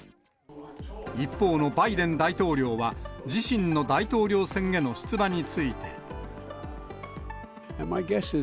一方のバイデン大統領は、自身の大統領選への出馬について。